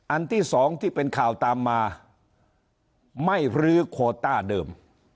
อันที่สองที่เป็นข่าวตามมาไม่รื้อโคต้าเดิม